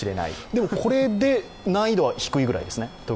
でも、これで難易度は低いくらいですね？